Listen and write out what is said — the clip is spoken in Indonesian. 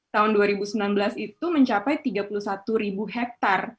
tahun dua ribu sembilan belas itu mencapai tiga puluh satu ribu hektare